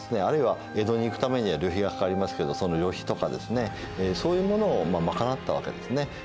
あるいは江戸に行くためには旅費がかかりますけどその旅費とかですねそういうものを賄ったわけですね。